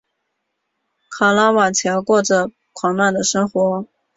卡拉瓦乔过着狂乱的生活。